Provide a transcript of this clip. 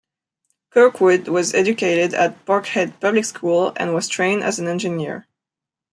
Kirkwood was educated at Parkhead Public School and was trained as an engineer.